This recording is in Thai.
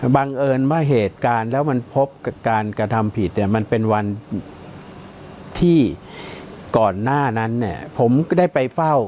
บังเอิญว่าเหตุการณ์แล้วมันพบการกระทำผิดเนี่ยมันเป็นวันที่ก่อนหน้านั้นเนี่ยผมก็ได้ไปเฝ้า